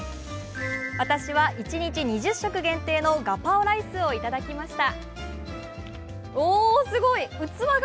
私は一日２０食限定のガパオライスをいただきました。